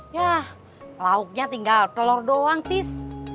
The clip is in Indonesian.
yah lauknya tinggal telur doang tis